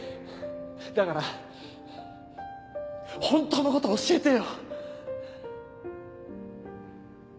だから本当のこと教えてよ。